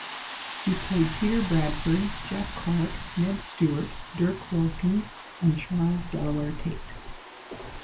He played Peter Bradford, Jeff Clark, Ned Stuart, Dirk Wilkins, and Charles Delaware Tate.